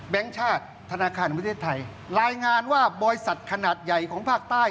แบงค์ชาติธนาคารวิทยาลัยไทยรายงานว่าบริษัทขนาดใหญ่ของภาคใต้